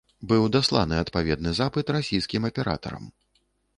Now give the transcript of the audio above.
Быў дасланы адпаведны запыт расійскім аператарам.